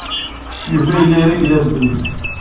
Yuba yella ireggel abduz.